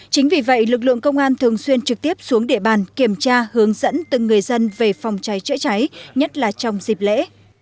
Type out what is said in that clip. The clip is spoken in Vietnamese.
chính vì vậy lực lượng công an thường xuyên trực tiếp xuống địa bàn kiểm tra hướng dẫn từng người dân về phòng cháy chữa cháy nhất là trong dịp lễ